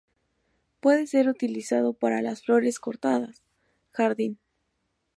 Puede ser utilizado para las flores cortadas, jardín.